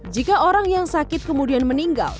jika orang yang sakit kemudian meninggal